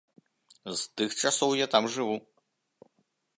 З тых часоў я там жыву.